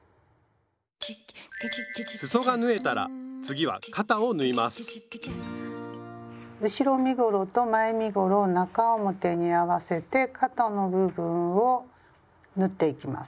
すそが縫えたら次は肩を縫います後ろ身ごろと前身ごろを中表に合わせて肩の部分を縫っていきます。